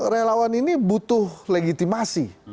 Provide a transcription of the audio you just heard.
relawan ini butuh legitimasi